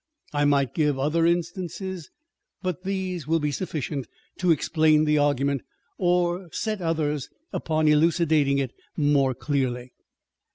I might give other instances, but these will be sufficient to explain the argument, or set others upon elucidating it more clearly.